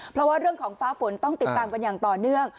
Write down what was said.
เพราะว่าเรื่องของฟ้าฝนต้องติดตามกันอย่างต่อเนื่อง